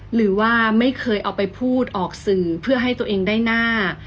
หรือว่าไม่เคยเอาไปพูดออกสื่อเพื่อให้ตัวเองได้หน้า